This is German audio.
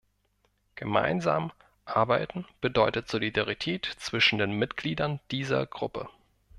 Gemeinsam arbeiten bedeutet Solidarität zwischen den Mitgliedern dieser Gruppe.